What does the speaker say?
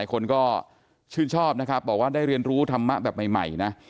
คนก็ชื่นชอบนะครับบอกว่าได้เรียนรู้ธรรมะแบบใหม่นะ